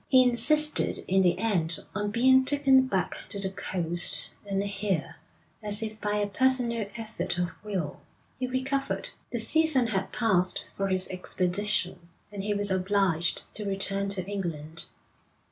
He insisted in the end on being taken back to the coast, and here, as if by a personal effort of will, he recovered. The season had passed for his expedition, and he was obliged to return to England.